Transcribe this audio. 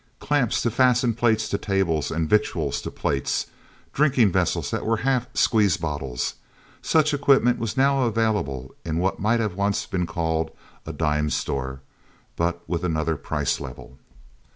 Clamps to fasten plates to tables and victuals to plates. Drinking vessels that were half squeeze bottles. Such equipment was now available in what might once have been called a dime store but with another price level.